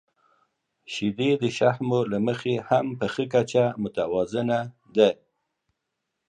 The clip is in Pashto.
• شیدې د شحمو له مخې هم په ښه کچه متوازنه دي.